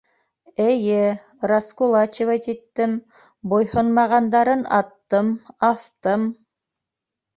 Эйе, раскулачивать иттем, буйһонмағандарын аттым, аҫтым!